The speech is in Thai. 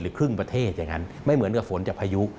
ครึ่งประเทศอย่างนั้นไม่เหมือนกับฝนจากพายุ